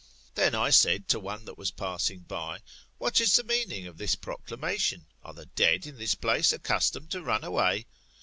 Then I said to one that was passing by, what Is the meaning of this proclamation? Are die dead in this place accustomed to run away